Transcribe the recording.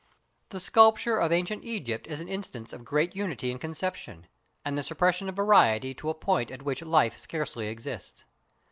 The sculpture of ancient Egypt is an instance of great unity in conception, and the suppression of variety to a point at which life scarcely exists.